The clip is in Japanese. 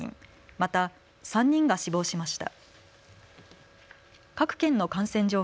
また３人が死亡しました。